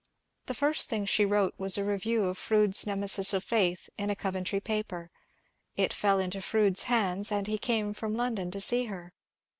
The first thing she wrote was a review of Fronde's * Nemesis of Faith,' in a Coventry paper. It fell into Fronde's hands and he came from London to see her.